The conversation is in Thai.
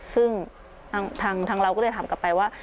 ซึ่งทางเราก็เลยถามกลับไปว่า